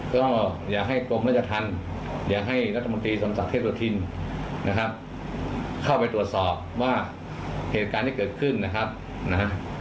ก็อย่าให้กรมรัชทันอย่าให้รัฐมนตรีสมศักดิ์เทพธินฯเข้าไปตรวจสอบว่าเหตุการณ์ที่เกิดขึ้น